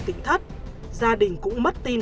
tịnh thất gia đình cũng mất tin